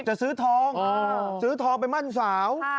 จะซื้อทองซื้อทองไปมั่นสาว